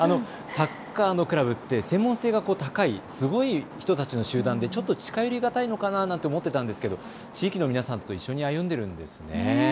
サッカーのクラブって専門性が高い、すごい人たちの集団でちょっと近寄りがたいのかなと思っていたんですが地域の皆さんと一緒に歩んでいるんですね。